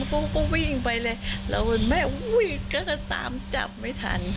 กูก็วิ่งไปเลยเราแม่ก็ตามจับไม่ทัน